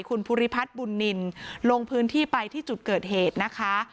คุณภูริพัฒน์บุญนินลงพื้นที่ไปที่จุดเกิดเหตุนะคะ